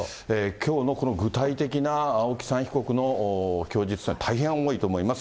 きょうのこの具体的なＡＯＫＩ、３被告の供述というのは、大変重いと思います。